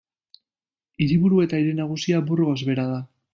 Hiriburu eta hiri nagusia Burgos bera da.